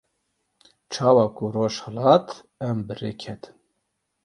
Çawa ku roj hilat em bi rê ketin.